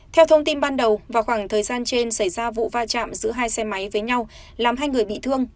theo thông tin ban đầu vào khoảng thời gian trên xảy ra vụ va chạm giữa hai xe máy với nhau làm hai người bị thương